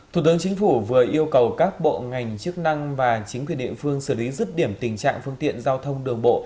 thủ tướng chính phủ vừa yêu cầu các bộ ngành chức năng và chính quyền địa phương xử lý rứt điểm tình trạng phương tiện giao thông đường bộ